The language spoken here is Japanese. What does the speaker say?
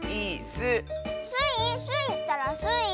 スイスイったらスイ！